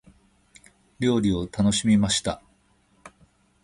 料理を楽しみました。